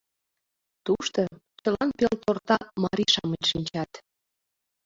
— Тушто чылан пелторта марий-шамыч шинчат...